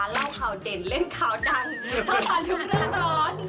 เล่าข่าวเด่นเล่นข่าวดังเท่าทันทุกเรือตอน